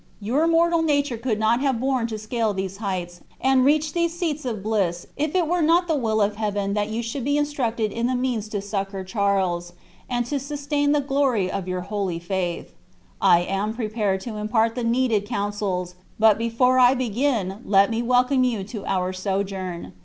Your mortal nature could not have borne to scale these heights and reach these seats of bliss if it were not the will of Heaven that you should be instructed in the means to succor Charles, and to sustain the glory of our holy faith. I am prepared to impart the needed counsels; but before I begin let me welcome you to our sojourn.